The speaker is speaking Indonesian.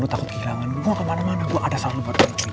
lu takut kehilangan gue kemana mana gue ada salah buat nek wicen